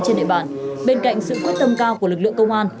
trên địa bàn bên cạnh sự quyết tâm cao của lực lượng công an